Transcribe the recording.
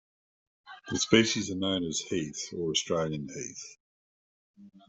The species are known as heaths or Australian heaths.